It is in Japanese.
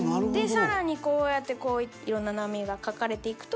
更にこうやってこういろんな波が描かれていくと。